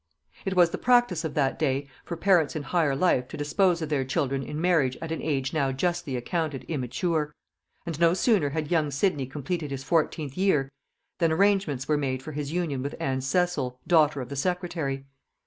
It was the practice of that day for parents in higher life to dispose of their children in marriage at an age now justly accounted immature; and no sooner had young Sidney completed his fourteenth year than arrangements were made for his union with Anne Cecil, daughter of the secretary.